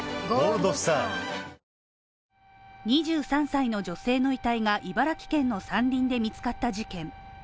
２３歳の女性の遺体が、茨城県の山林で見つかった事件。